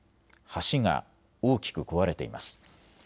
橋が大きく壊れています。